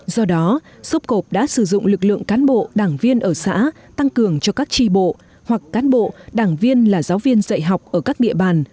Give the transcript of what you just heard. do đó sốp cộp đã sử dụng lực lượng cán bộ đảng viên ở xã tăng cường cho các tri bộ hoặc cán bộ đảng viên là giáo viên dạy học ở các địa bàn